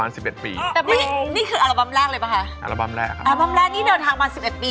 อัลบั้มแรกนี่เดินทางมา๑๑ปีแล้วเหรอลิฟตา